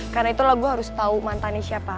karena itulah gue harus tau mantannya siapa